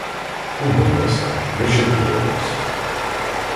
Умилася, причепурилась